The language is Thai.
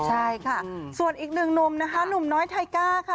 ใช่ค่ะส่วนอีกหนึ่งหนุ่มนะคะหนุ่มน้อยไทก้าค่ะ